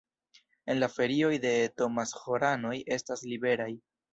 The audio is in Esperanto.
En la ferioj la Thomas-ĥoranoj estas liberaj.